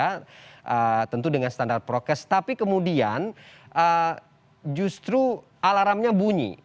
karena tentu dengan standar prokes tapi kemudian justru alarmnya bunyi